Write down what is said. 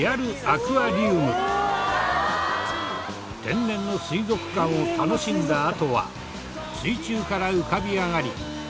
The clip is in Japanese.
天然の水族館を楽しんだあとは水中から浮かび上がり。